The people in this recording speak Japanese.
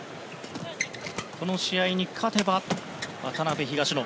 この試合に勝てば渡辺・東野